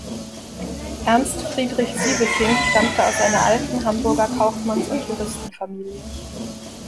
Ernst Friedrich Sieveking stammte aus einer alten Hamburger Kaufmanns- und Juristenfamilie.